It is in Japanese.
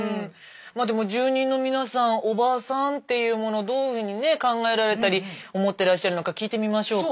まあでも住人の皆さん「おばさん」っていうものをどういうふうにね考えられたり思ってらっしゃるのか聞いてみましょうか。